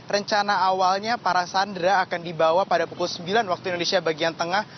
rencana awalnya para sandera akan dibawa pada pukul sembilan waktu indonesia bagian tengah